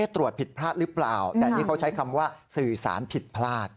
ตรวจผิดพลาดหรือเปล่าแต่นี่เขาใช้คำว่าสื่อสารผิดพลาด